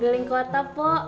keliling kota pok